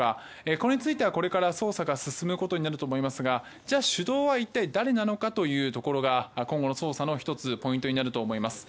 これについてはこれから捜査が進むことになると思いますがじゃあ主導は一体誰なのかというところが今後の捜査の１つポイントになると思います。